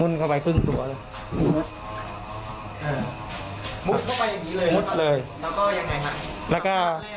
มุ่นเข้าไปอย่างงี้เลยแล้วก็อย่างไรครับ